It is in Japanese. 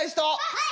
はい！